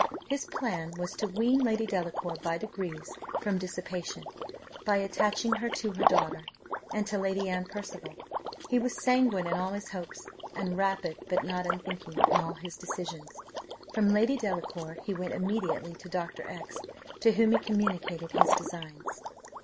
His plan was to wean Lady Delacour by degrees from dissipation, by attaching her to her daughter, and to Lady Anne Percival. He was sanguine in all his hopes, and rapid, but not unthinking, in all his decisions. From Lady Delacour he went immediately to Dr. X , to whom he communicated his designs.